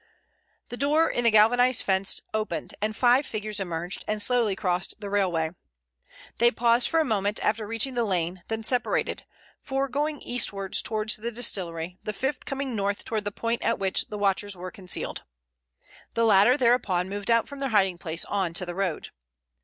The door in the galvanized fence opened and five figures emerged and slowly crossed the railway. They paused for a moment after reaching the lane, then separated, four going eastwards towards the distillery, the fifth coming north towards the point at which the watchers were concealed. The latter thereupon moved out from their hiding place on to the road.